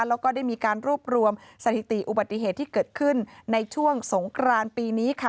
แล้วก็ได้มีการรวบรวมสถิติอุบัติเหตุที่เกิดขึ้นในช่วงสงกรานปีนี้ค่ะ